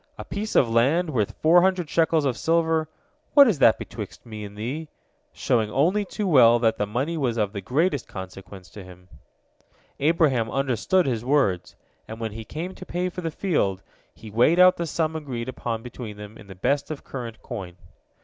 A piece of land worth four hundred shekels of silver, what is that betwixt me and thee?" showing only too well that the money was of the greatest consequence to him. Abraham understood his words, and when he came to pay for the field, he weighed out the sum agreed upon between them in the best of current coin.